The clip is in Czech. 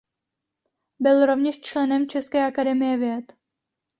Byl rovněž členem české akademie věd.